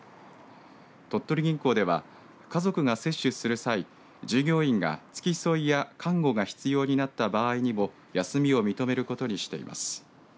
鳥取銀行では、家族が接種する際従業員が付き添いや看護が必要になった場合にも休みを認めることにしています。